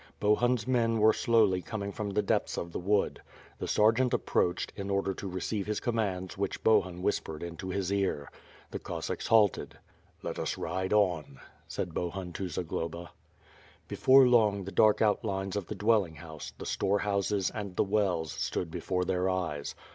Bohun's men were slowly coming from the depths of the wood. The sergeant approached, in order to receive his commands which Bohun whispered into his ear. Then the Cossacks halted. "Let us ride on," said Bohun to Zagloba. Before long, the dark outlines of the dwelling house, the storehouses, and the wells, stood before their eyes.